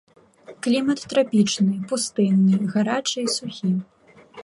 Клімат трапічны, пустынны, гарачы і сухі.